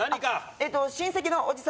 えっと